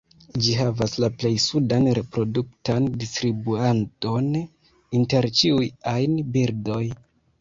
Ĝi havas la plej sudan reproduktan distribuadon inter ĉiuj ajn birdoj.